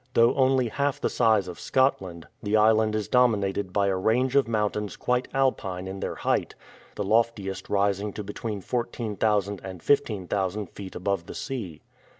Though only half the size of Scotland, the island is domi nated by a range of mountains quite Alpine in their height, the loftiest rising to between 14,000 and 15,000 feet above the sea.